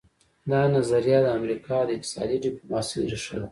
دا نظریه د امریکا د اقتصادي ډیپلوماسي ریښه ده